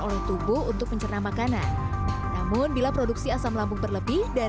oleh tubuh untuk pencerna makanan namun bila produksi asam lambung berlebih dan